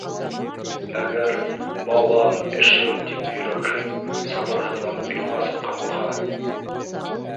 Әгәр «балам, эшем» тип йөрәкһеп, сабырһыҙланып юлға сыҡҡан булһа!